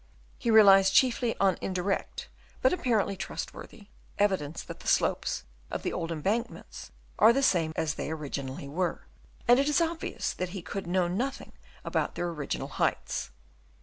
He relies chiefly on indirect, but apparently trustworthy, evi dence that the slopes of the old embankments are the same as they originally were ; and it is obvious that he could know nothing about their original heights.